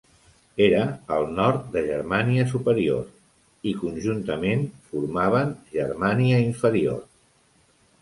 Era al nord de Germània Superior i, conjuntament, formaven Germània Inferior.